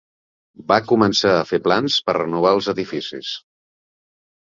Va començar a fer plans per renovar els edificis.